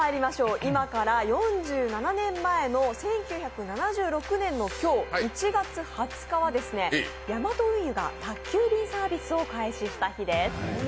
今から４７年前の１９７６年の今日、１月２０日はヤマト運輸が宅急便サービスを開始した日です。